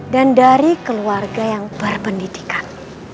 dan dari keluarga yang berpendidikan